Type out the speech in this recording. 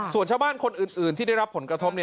ส่วนชาวบ้านคนอื่นที่ได้รับผลกระทบ